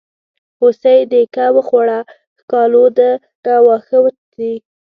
هوسۍ دیکه وخوړه ښکالو ده نه واښه وچ دي.